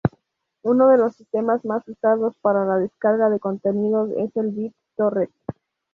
Uno de los sistemas más usados para la descarga de contenidos es el BitTorrent.